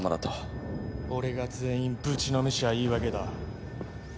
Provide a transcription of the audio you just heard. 俺が全員ぶちのめしゃいいわけだ。